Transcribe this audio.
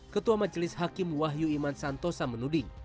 ketua majelis hakim wahyu iman santosa menuding